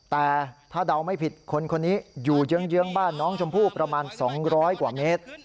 แต่ถ้าเดาไม่ผิดคนคนนี้อยู่เยื้องบ้านน้องชมพู่ประมาณ๒๐๐กว่าเมตร